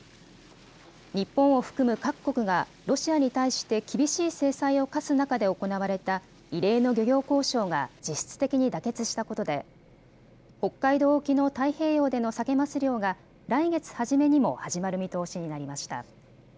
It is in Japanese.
日本を含む各国が、ロシアに対して厳しい制裁を科す中で行われた異例の漁業交渉が実質的に妥結したことで、北海道沖の太平洋でのサケ・マス漁が、来月初めにも始まる見通しになりました。